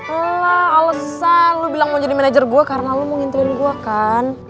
alah alesan lo bilang mau jadi manajer gue karena lo mau ngintri lo gue kan